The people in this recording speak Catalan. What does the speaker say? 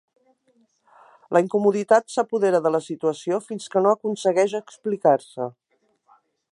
La incomoditat s'apodera de la situació fins que no aconsegueix explicar-se.